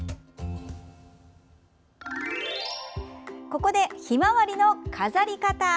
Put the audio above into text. ここで、ひまわりの飾り方。